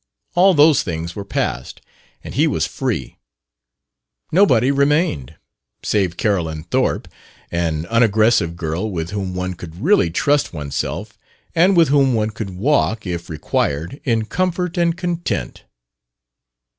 All those things were past, and he was free. Nobody remained save Carolyn Thorpe, an unaggressive girl with whom one could really trust oneself and with whom one could walk, if required, in comfort and content.